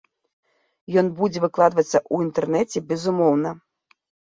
Ён будзе выкладвацца ў інтэрнэце, безумоўна.